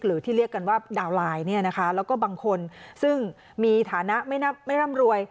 หรือที่เรียกกันว่าดาวนไลน์เนี่ยนะคะแล้วก็บางคนซึ่งมีฐานะไม่ร่ำรวย